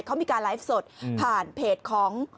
เขามีการไลฟ์สดผ่านเพจของ